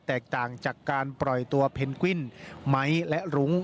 แตกต่างจากการปล่อยตัวเพนกวินไม้และรุ้ง